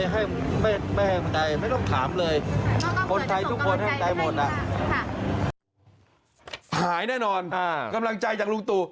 หายแน่นอนนะครับ